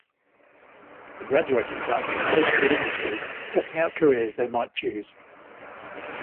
The graduating class is placed with industry, testing out careers they might choose.